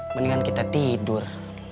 mendingan kita tidur